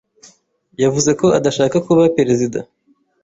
Yavuze ko adashaka kuba perezida.